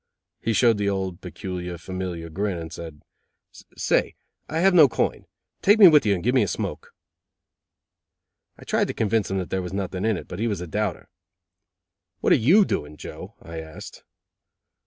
He showed the old peculiar, familiar grin, and said: "Say, I have no coin. Take me with you and give me a smoke." I tried to convince him that there was nothing in it, but he was a doubter. "What are you doing, Joe?" I asked.